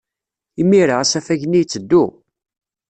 Imir-a, asafag-nni itteddu.